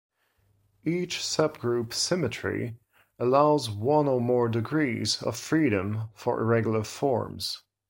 Each subgroup symmetry allows one or more degrees of freedom for irregular forms.